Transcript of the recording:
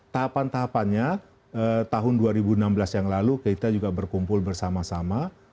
tahapan tahapannya tahun dua ribu enam belas yang lalu kita juga berkumpul bersama sama